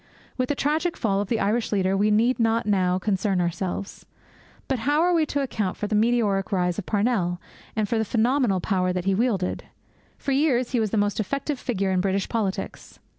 With the tragic fall of the Irish leader we need not now concern ourselves. But how are we to account for the meteoric rise of Parnell, and for the phenomenal power that he wielded? For years he was the most effective figure in British politics.